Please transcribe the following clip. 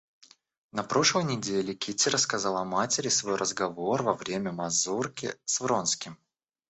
На прошлой неделе Кити рассказала матери свой разговор во время мазурки с Вронским.